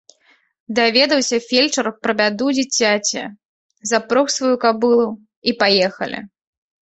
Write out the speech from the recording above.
Даведаўся фельчар пра бяду дзіцяці, запрог сваю кабылу, і паехалі.